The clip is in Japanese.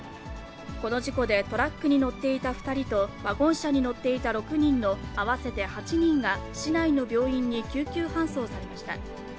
この事故でトラックに乗っていた２人とワゴン車に乗っていた６人の合わせて８人が市内の病院に救急搬送されました。